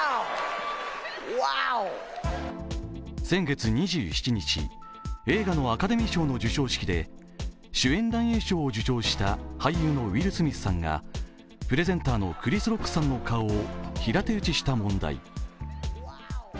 先月２７日、映画のアカデミー賞の授賞式で主演男優賞を受賞した俳優のウィル・スミスさんがプレゼンターのクリス・ロックさんの顔を平手打ちした問題。